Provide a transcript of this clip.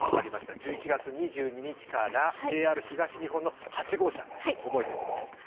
１１月２２日からＪＲ東日本の８号車、覚えておきます。